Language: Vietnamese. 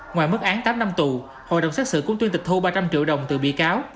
ngoài mức án tám năm tù hội đồng xét xử cũng tuyên tịch thu ba trăm linh triệu đồng từ bị cáo